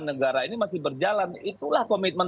negara ini masih berjalan itulah komitmen